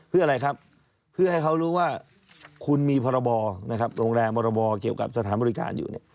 เพื่อให้เขารู้ว่าคุณมีพรบโรงแรมพรบเกี่ยวกับสถานบริการอยู่